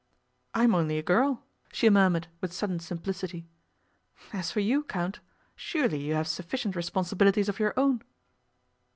'I'm only a girl,' she murmured with sudden simplicity. 'As for you, Count, surely you have sufficient responsibilities of your own?